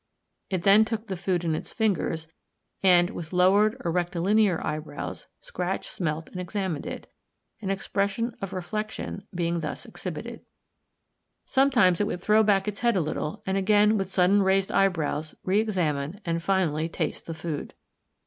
It then took the food in its fingers, and, with lowered or rectilinear eyebrows, scratched, smelt, and examined it,—an expression of reflection being thus exhibited. Sometimes it would throw back its head a little, and again with suddenly raised eyebrows re examine and finally taste the food.